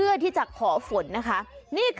เออประหลัดขิก